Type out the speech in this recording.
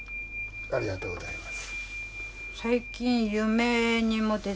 ありがとうございます。